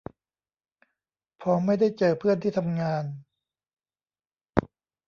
พอไม่ได้เจอเพื่อนที่ทำงาน